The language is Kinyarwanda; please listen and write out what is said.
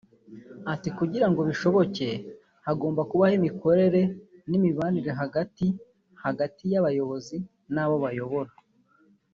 Ati “Kugira ngo bishoboke hagomba kubaho imikorere n’imibanire hagati hagati y’abayobozi n’abo bayobora